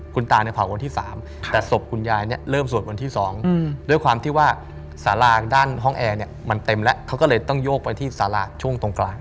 คุณตาเนี่ยเผาวันที่๓แต่ศพคุณยายเนี่ยเริ่มสวดวันที่๒ด้วยความที่ว่าสาราด้านห้องแอร์เนี่ยมันเต็มแล้วเขาก็เลยต้องโยกไปที่สาราช่วงตรงกลาง